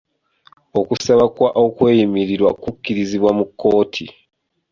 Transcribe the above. Okusaba kw'okweyimiriwa kukkirizibwa mu kkooti.